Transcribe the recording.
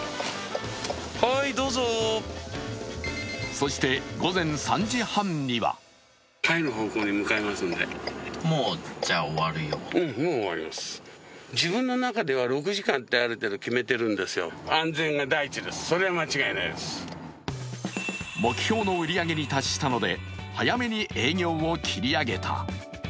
そして、午前３時半には目標の売り上げに達したので早めに営業を切り上げた。